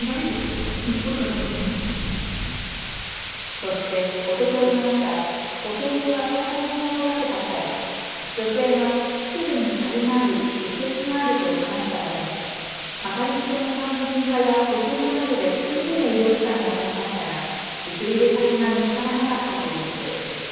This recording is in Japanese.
そして、おとといの朝、保健所が再び電話をかけた際、女性が腹部に張りがあり出血があると話したため掛かりつけの産婦人科や保健所などで複数の医療機関にあたりましたが受け入れ先が見つからなかったということです。